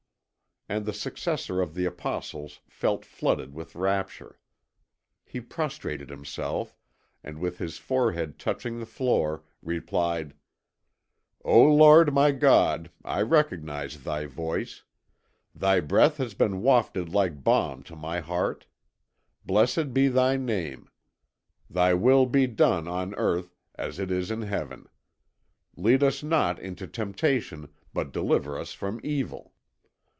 And the successor of the apostles felt flooded with rapture. He prostrated himself, and with his forehead touching the floor, replied: "O Lord, my God, I recognise Thy voice! Thy breath has been wafted like balm to my heart. Blessed be Thy name. Thy will be done on Earth, as it is in Heaven. Lead us not into temptation, but deliver us from evil."